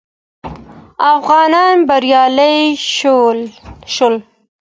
افغانان بریالي شول